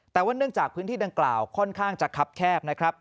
แต่ว่าเนื่องจากพื้นที่ดังกล่าวค่อนข้างจะคับแคบนะครับ